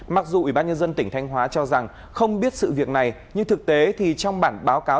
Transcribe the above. các nhân dân tỉnh thanh hóa cho rằng không biết sự việc này nhưng thực tế thì trong bản báo cáo